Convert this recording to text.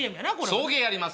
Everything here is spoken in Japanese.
送迎やります